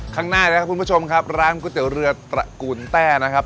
ข้างหน้านะครับคุณผู้ชมครับร้านก๋วยเตี๋ยวเรือตระกูลแต้นะครับ